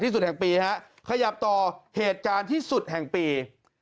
สุดแห่งปีฮะขยับต่อเหตุการณ์ที่สุดแห่งปี